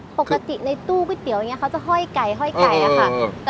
ปกติในตู้ก๋วยเตี๋ยวอย่างเงี้ยเขาจะห้อยไก่ค่ะ